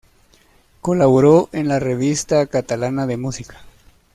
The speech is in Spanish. Colaboró en la "Revista Catalana de Música".